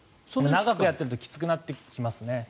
長くやってるときつくなってきますね。